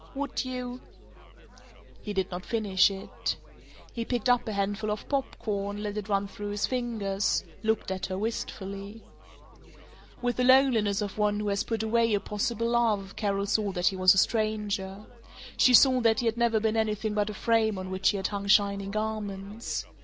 "Would you " He did not finish it. He picked up a handful of pop corn, let it run through his fingers, looked at her wistfully. With the loneliness of one who has put away a possible love Carol saw that he was a stranger. She saw that he had never been anything but a frame on which she had hung shining garments.